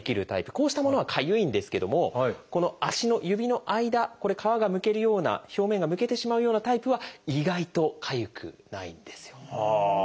こうしたものはかゆいんですけどもこの足の指の間これ皮がむけるような表面がむけてしまうようなタイプは意外とかゆくないんですよ。